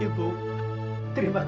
ibu terima kasih